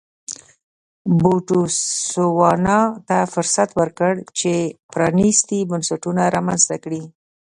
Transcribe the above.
بوتسوانا ته فرصت ورکړ چې پرانیستي بنسټونه رامنځته کړي.